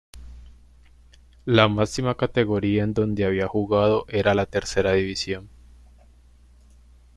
La máxima categoría en donde había jugado era la Tercera División.